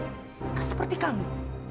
gak seperti kamu